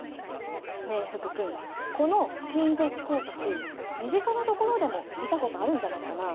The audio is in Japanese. ねえ福君この金属光沢身近なところでも見たことあるんじゃないかな？